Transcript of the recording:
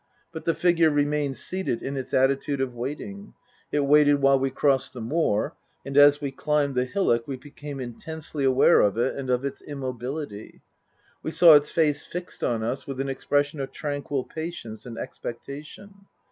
But the figure remained seated in its attitude of waiting. It waited while we crossed the moor ; and as we climbed the hillock we became intensely aware of it and of its immobility. We saw its face fixed on us with an expression of tranquil patience and expectation.